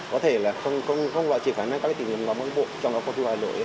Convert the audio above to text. có thể là không loại trị khả năng các tỉnh bắc bộ trong các khu thu hoài nổi